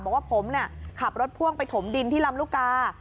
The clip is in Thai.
บอกว่าผมขับรถพ่วงไปถมดินที่ลำลูกกา